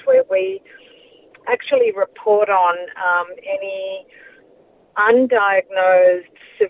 di mana kita sebenarnya menerima